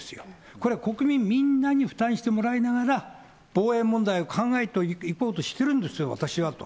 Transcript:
これは国民みんなに負担してもらいながら、防衛問題を考えていこうとしているんですよ、私はと。